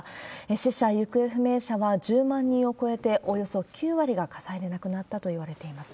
死者・行方不明者は１０万人を超えて、およそ９割が火災で亡くなったといわれています。